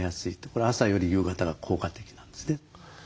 これは朝より夕方が効果的なんですね。